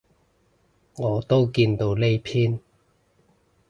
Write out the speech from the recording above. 我都見到呢篇